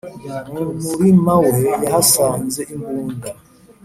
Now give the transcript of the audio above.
mu murima we yahasanze imbunda